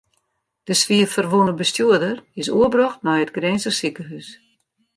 De swier ferwûne bestjoerder is oerbrocht nei it Grinzer sikehús.